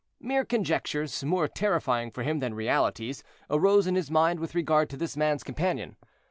Mere conjectures, more terrifying for him than realities, arose in his mind with regard to this man's companion.